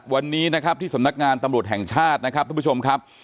วันนี้นะครับที่สำนักงานตำรวจแห่งชาตินะครับทุกผู้ชมครับ